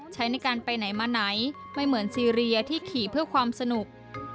ใช้ในการไปไหนมาไหนไม่เหมือนซีเรียที่ขี่เพื่อความสนุก